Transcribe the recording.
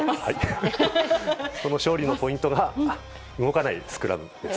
その勝利のポイントが動かないスクラムです。